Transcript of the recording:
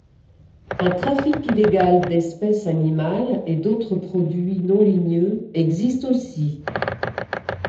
Un trafic illégal d'espèces animales et d'autres produits non ligneux existe aussi.